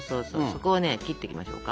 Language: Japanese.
そこをね切っていきましょうか。